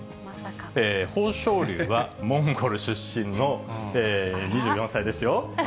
豊昇龍はモンゴル出身の２４歳ですよ。